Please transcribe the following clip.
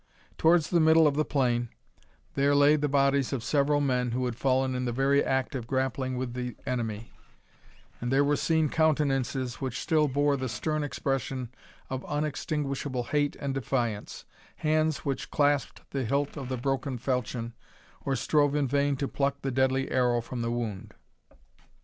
Towards the middle of the plain, there lay the bodies of several men who had fallen in the very act of grappling with the enemy; and there were seen countenances which still bore the stern expression of unextinguishable hate and defiance, hands which clasped the hilt of the broken falchion, or strove in vain to pluck the deadly arrow from the wound.